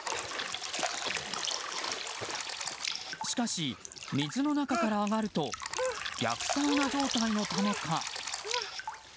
しかし、水の中から上がると逆サウナ状態のためか。